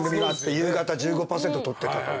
夕方１５％取ってたという。